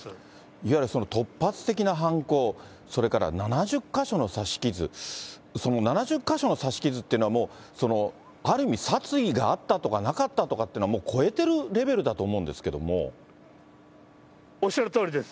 いわゆる突発的な犯行、それから７０か所の刺し傷、その７０か所の刺し傷というのは、ある意味、殺意があったとかなかったとかっていうのは超えてるレベルだと思おっしゃるとおりです。